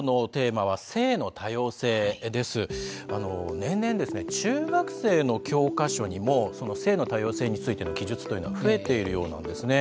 年々ですね中学生の教科書にも性の多様性についての記述というのが増えているようなんですね。